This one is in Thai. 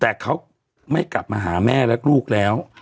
แต่เขาไม่กลับมาหาแม่และลูกแล้ว